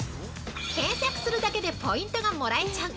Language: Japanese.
◆検索するだけでポイントがもらえちゃう！